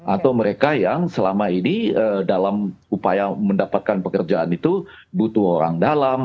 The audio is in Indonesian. atau mereka yang selama ini dalam upaya mendapatkan pekerjaan itu butuh orang dalam